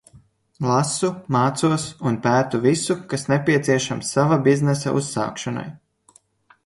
Lasu, mācos un pētu visu, kas nepieciešams sava biznesa uzsākšanai.